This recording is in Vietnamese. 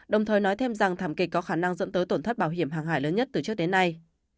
đồng thời nói thêm rằng thảm kịch có khả năng dẫn tới tổn thất bảo hiểm hàng hải lớn nhất từ trước đến nay